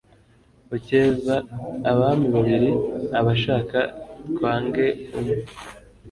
ucyeza abami babiri aba ashaka twange umwe